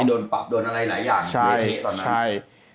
ที่โดนปรับโดนอะไรหลายอย่างเยเทะตอนนั้น